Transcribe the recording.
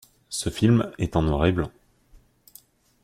Ce film est en noir et blanc.